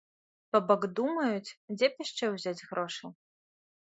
То бок, думаюць, дзе б яшчэ ўзяць грошы.